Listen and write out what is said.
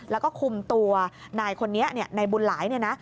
แล้วก็คุมตัวนายคนนี้นายบุญหลายเนี่ยนะ